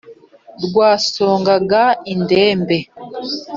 rwasongaga indembe.